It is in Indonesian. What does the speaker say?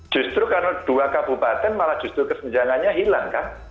justru karena dua kabupaten malah justru kesenjangannya hilang kan